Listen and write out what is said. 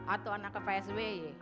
atau anaknya psw